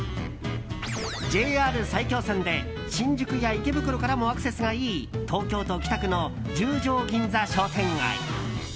ＪＲ埼京線で新宿や池袋からもアクセスがいい東京都北区の十条銀座商店街。